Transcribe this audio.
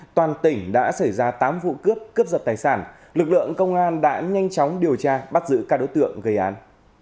toàn tỉnh đã xảy ra tám vụ cướp cướp giật tài sản lực lượng công an đã nhanh chóng điều tra bắt giữ các đối tượng gây án